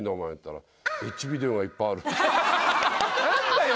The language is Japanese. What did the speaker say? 何だよ？